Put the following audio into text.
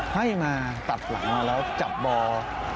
ให้มาตัดหลังมาแล้วจับบอ